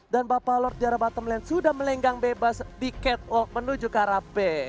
dan bapak lord di area bottom lane sudah melenggang bebas di catwalk menuju carapace